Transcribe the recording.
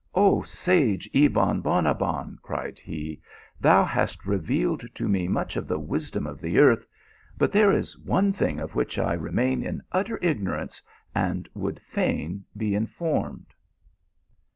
" Oh sage Ebon Bonabbon," cried he, " thou hast revealed to me much of the wisdom of the earth, but there is one thing of which I remain in utter ignorance, and would fain be in formed."